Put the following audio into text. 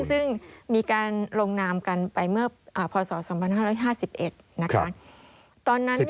ซึ่งมีการลงนามกันไปเมื่อพศ๒๕๕๑ตอนนั้น